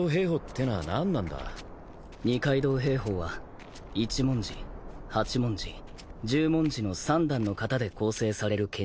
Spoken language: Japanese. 二階堂平法は一文字八文字十文字の三段の型で構成される剣術。